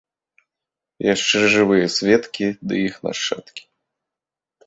Яшчэ жывыя сведкі ды іх нашчадкі.